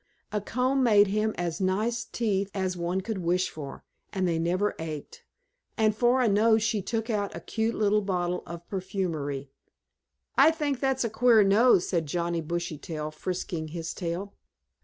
A comb made him as nice teeth as one could wish for, and they never ached, and for a nose she took out a cute little bottle of perfumery. "I think that's a queer nose," said Johnnie Bushytail, frisking his tail.